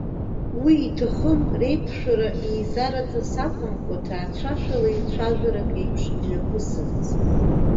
Уи иҭахын реиқәшәара еизараҵас акәымкәа, ҭаацәашәала еицәажәарак еиԥш имҩаԥысырц.